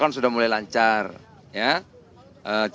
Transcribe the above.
karena dari aunak ini bay netral